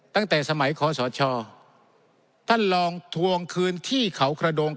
ตั้งแต่สมัยขอสชท่านลองทวงคืนที่เขากระดง